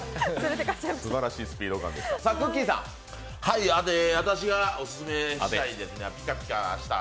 すばらしいスピード感でした。